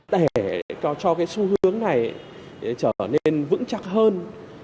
để cho cái xu hướng này trở nên vững chắc hơn